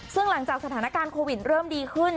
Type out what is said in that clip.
ซึ่งหลังจากสถานการณ์โควิดเริ่มดีขึ้น